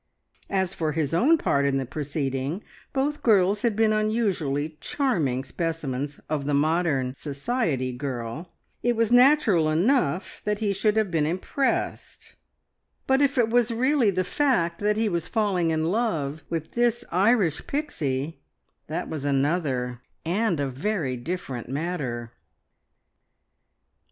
As for his own part in the proceeding, both girls had been unusually charming specimens of the modern society girl, it was natural enough that he should have been impressed, but if it was really the fact that he was falling in love with this Irish Pixie, that was another, and a very different matter.